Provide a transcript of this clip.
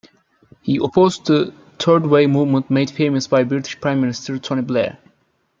He opposed the Third Way movement made famous by British Prime Minister Tony Blair.